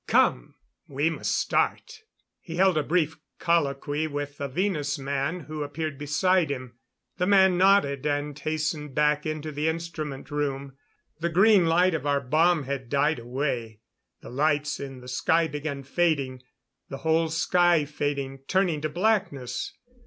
Come! We must start." He held a brief colloquy with a Venus man who appeared beside him. The man nodded and hastened back into the instrument room. The green light of our bomb had died away. The lights in the sky began fading the whole sky fading, turning to blackness!